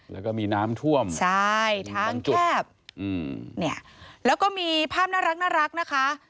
แล้วก็มีน้ำท่วมใช่ทางแคบอืมเนี่ยแล้วก็มีภาพน่ารักนะคะ